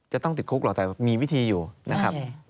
จะต้องติดคุกหรอกแต่มีวิธีอยู่นะครับ